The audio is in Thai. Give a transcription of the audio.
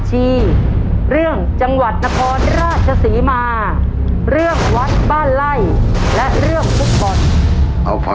กี่เรื่องนะครับเพราะ